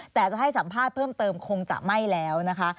แต่จะให้สัมภาษณ์เพิ่มเติมคงจะไม่แล้วนะคะ